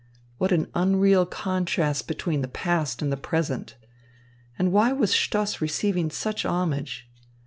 What an unreal contrast between the past and the present! And why was Stoss receiving such homage?